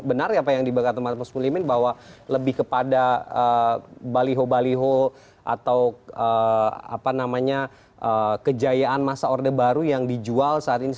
benar ya pak yang diberikan oleh pak presiden menteri pulimin bahwa lebih kepada baliho baliho atau kejayaan masa order baru yang dijual saat ini